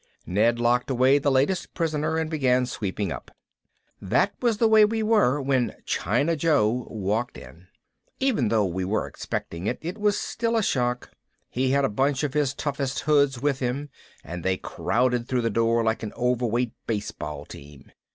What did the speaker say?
Ned locked away the latest prisoner and began sweeping up. That was the way we were when China Joe walked in. Even though we were expecting it, it was still a shock. He had a bunch of his toughest hoods with him and they crowded through the door like an overweight baseball team.